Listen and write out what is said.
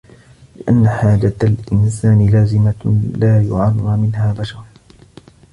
لِأَنَّ حَاجَةَ الْإِنْسَانِ لَازِمَةٌ لَا يُعَرَّى مِنْهَا بَشَرٌ